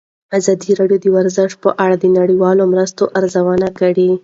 ازادي راډیو د ورزش په اړه د نړیوالو مرستو ارزونه کړې.